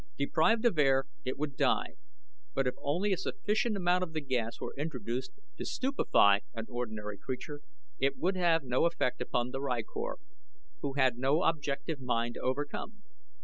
Deprived of air it would die; but if only a sufficient amount of the gas was introduced to stupefy an ordinary creature it would have no effect upon the rykor, who had no objective mind to overcome.